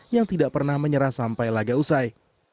yang tidak pernah menyerah sampai laga usai